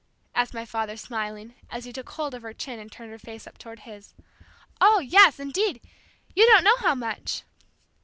asked my father smiling, as he took hold of her chin and turned her face up toward his. "Oh, yes, indeed; you don't know how much!"